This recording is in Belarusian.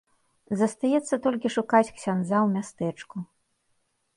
Застаецца толькі шукаць ксяндза ў мястэчку.